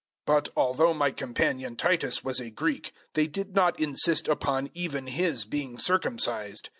002:003 But although my companion Titus was a Greek they did not insist upon even his being circumcised.